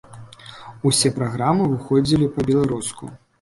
Усе праграмы выходзілі па-беларуску.